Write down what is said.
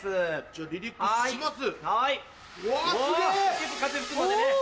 結構風吹くのでね。